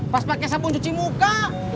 pas pakai sabun cuci muka